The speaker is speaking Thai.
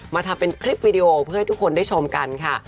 ทำเป็นคลิปวีดีโอเพื่อให้ทุกคนได้ชมกันค่ะ